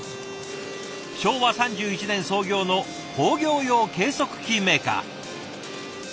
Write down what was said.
昭和３１年創業の工業用計測器メーカー。